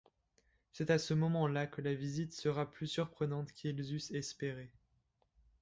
C’est à ce moment là que la visite sera plus surprenante qu'ils eussent espéré.